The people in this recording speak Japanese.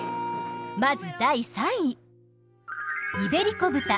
まず第３位！